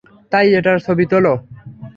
তাই এটার ছবি তোলো।